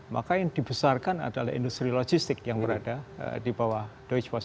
maka yang dibesarkan adalah industri logistik yang berada di bawah doge post